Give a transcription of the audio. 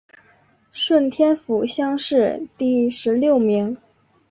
顺天府乡试第十六名。